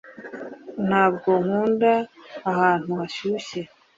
ntabwo nkunda ahantu hashyushye